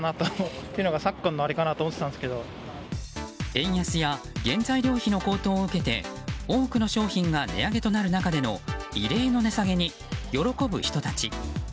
円安や原材料費の高騰を受けて多くの商品が値上げとなる中での異例の値下げに喜ぶ人たち。